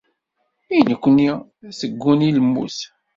I nekkni tegguni lmut.